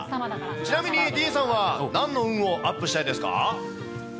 ちなみに、ディーンさんはなんの運をアップしたいですか？